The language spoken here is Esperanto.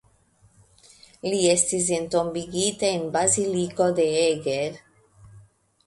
Li estis entombigita en Baziliko de Eger.